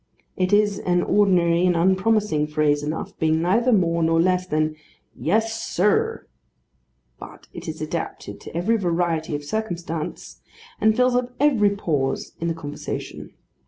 It is an ordinary and unpromising phrase enough, being neither more nor less than 'Yes, sir;' but it is adapted to every variety of circumstance, and fills up every pause in the conversation.